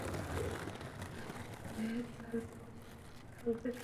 আমার কাছে লাল বাক্স থাকবে কেন?